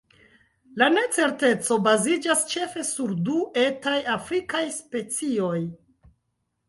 La necerteco baziĝas ĉefe sur du etaj afrikaj specioj.